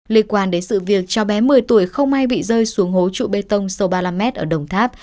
liên quan đến sự việc cho bé một mươi tuổi không may bị rơi xuống hố trụ bê tông sâu ba mươi năm m ở đồng tháp